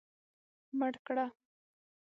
مړ کړه.